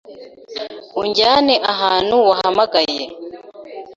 Unjyane ahantu wahamagaye